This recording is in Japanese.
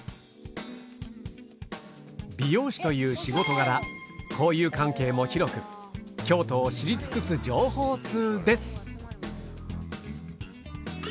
美容師という仕事柄交友関係も広く京都を知り尽くす情報ツウです。